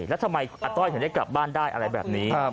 แล้วทำไมอาต้อยถึงได้กลับบ้านได้อะไรแบบนี้